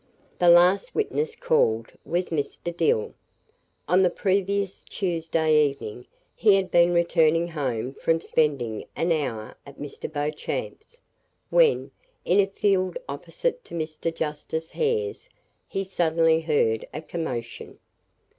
The last witness called was Mr. Dill. On the previous Tuesday evening, he had been returning home from spending an hour at Mr. Beauchamp's, when, in a field opposite to Mr. Justice Hare's, he suddenly heard a commotion.